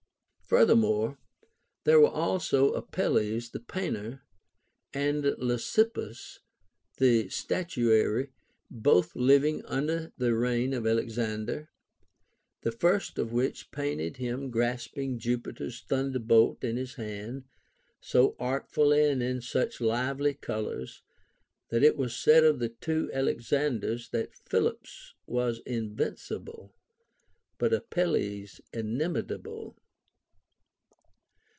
* Furthermore, there were also Apelles the painter and Lysippus the statuary both living under the reign of Alex ander. The first of which painted him grasping Jupiter's thunderbolt in his hand, so artfully and in such lively colors, that it Avas said of the two Alexanders that Philip's was invincible, but Apelles's inimitable.